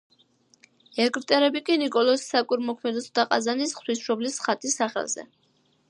ეგვტერები კი ნიკოლოზ საკვირველთმოქმედისა და ყაზანის ღვთისმშობლის ხატის სახელზე.